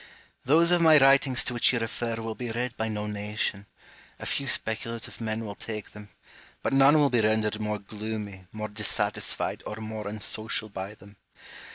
Those of my writings to which you refer will be read by no nation : a few speculative men will take them ; but none will be rendered more gloomy, more dissatisfied, or more unsocial by them.